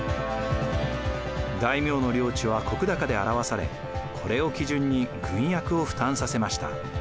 大名の領地は石高で表されこれを基準に軍役を負担させました。